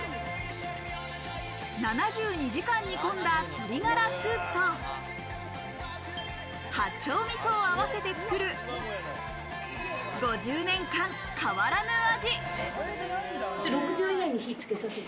７２時間、煮込んだ鶏ガラスープと八丁味噌を合わせて作る５０年間変わらぬ味。